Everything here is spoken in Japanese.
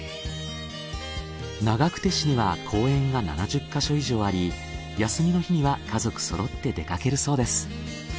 長久手市には公園が７０か所以上あり休みの日には家族そろって出かけるそうです。